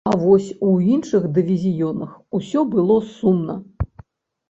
А вось у іншых дывізіёнах усё было сумна.